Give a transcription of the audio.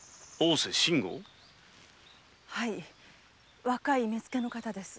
はい若い「目付」の方です。